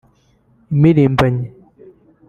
Impirimbanyi